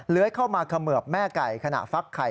เข้ามาเขมือบแม่ไก่ขณะฟักไข่